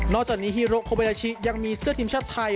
จากนี้ฮีโรโคเบนาชิยังมีเสื้อทีมชาติไทย